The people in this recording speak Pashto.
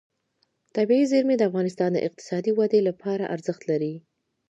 طبیعي زیرمې د افغانستان د اقتصادي ودې لپاره ارزښت لري.